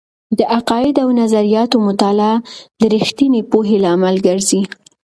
د عقائد او نظریاتو مطالعه د رښتینې پوهې لامل ګرځي.